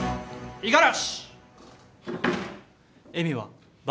五十嵐